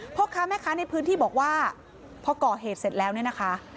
พ่อค้าแม่ค้าในพื้นที่บอกว่าพอก่อเหตุเสร็จแล้วเนี่ยนะคะ